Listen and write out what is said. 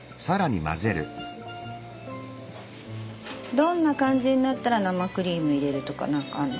どんな感じになったら生クリーム入れるとか何かあるの？